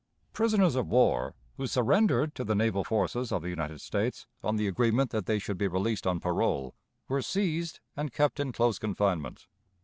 Prisoners of war, who surrendered to the naval forces of the United States on the agreement that they should be released on parole, were seized and kept in close confinement.